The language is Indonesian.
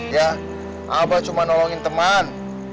ya abah cuma nolongin teman